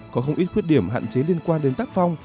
có không ít khuyết điểm hạn chế liên quan đến tác phong